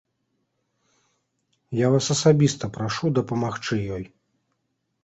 Я вас асабіста прашу дапамагчы ёй.